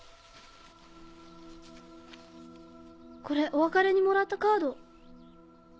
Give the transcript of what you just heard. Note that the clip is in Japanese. これお別れにもらったカード。